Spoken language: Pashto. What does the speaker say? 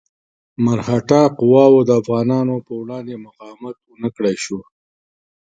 مرهټه قواوو د افغانانو په وړاندې مقاومت ونه کړای شو.